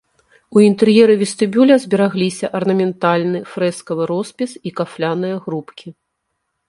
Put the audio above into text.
У інтэр'еры вестыбюля зберагліся арнаментальны фрэскавы роспіс і кафляныя грубкі.